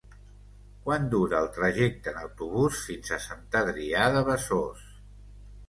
Quant dura el trajecte en autobús fins a Sant Adrià de Besòs?